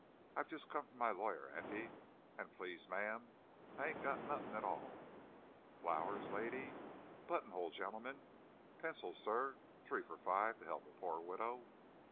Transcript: I've just come from my lawyer, auntie, and, 'Please, ma'am, I ain't got nothink 't all. Flowers, lady? Buttonhole, gentleman? Pencils, sir, three for five, to help a poor widow?